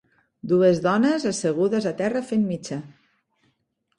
Dues dones assegudes a terra fent mitja.